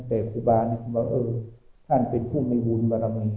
แต่ทุบานึกว่าท่านเป็นผู้มีบุญมรมี